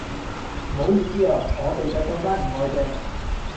唔好意思啊，我哋洗手間唔外借。